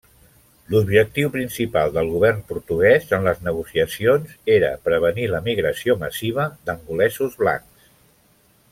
L'objectiu principal del govern portuguès en les negociacions era prevenir l'emigració massiva d'angolesos blancs.